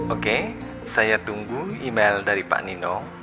oke saya tunggu email dari pak nino